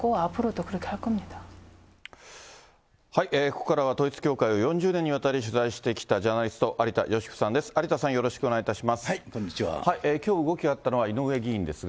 ここからは統一教会を４０年にわたり取材してきたジャーナリスト、有田芳生さんです。